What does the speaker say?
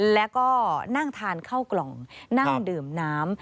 แล้วก็นั่งทานข้าวกล่องนั่งดื่มน้ำ